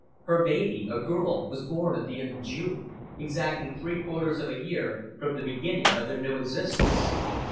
Her baby, a girl, was born at the end of June, exactly three quarters of a year from the beginning of their new existence.